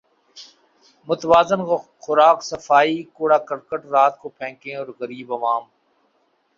متوازن خوراک صفائی کوڑا کرکٹ رات کو پھینکیں اور غریب عوام